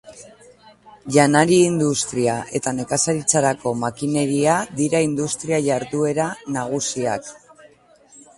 Janari-industria eta nekazaritzarako makineria dira industria-jarduera nagusiak.